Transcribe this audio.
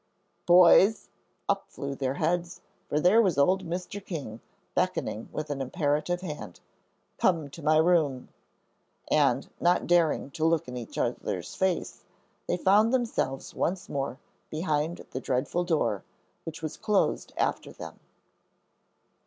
"Boys!" Up flew their heads, for there was old Mr. King beckoning with an imperative hand. "Come to my room." And, not daring to look in each other's face, they found themselves once more behind the dreadful door, which was closed after them.